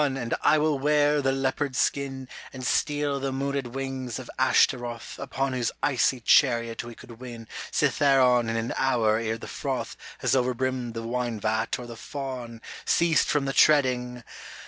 and I will wear the leopard skin, And steal the moondd wings of Ashtaroth, Upon whose icy chariot we could win Cithaeron in an hour e'er the froth Has overbrimmed the wine vat or the Faun Ceased from the treading